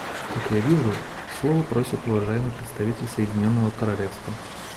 Как я вижу, слова просит уважаемый представитель Соединенного Королевства.